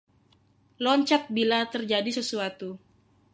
Loncat bila terjadi sesuatu.